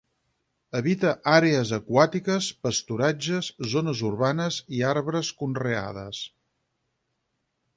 Habita àrees aquàtiques, pasturatges, zones urbanes i arbres conreades.